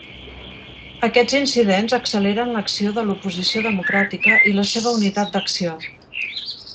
Aquests incidents acceleren l'acció de l'oposició democràtica, i la seva unitat d'acció.